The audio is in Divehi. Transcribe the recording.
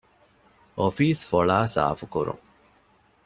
އޮފީސް ފޮޅާ ސާފުކުރުން